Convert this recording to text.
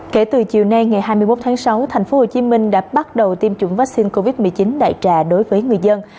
kể từ chiều nay ngày hai mươi một tháng sáu tp hcm đã bắt đầu tiêm chủng vaccine covid một mươi chín đại trà đối với người dân